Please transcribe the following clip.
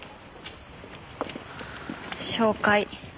紹介。